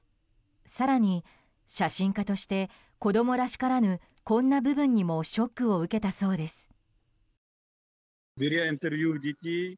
更に、写真家として子供らしからぬこんな部分にもショックを受けたそうです。